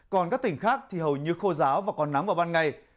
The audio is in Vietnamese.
còn các tỉnh khác thì hầu như khô giáo và còn nắng vào ban ngày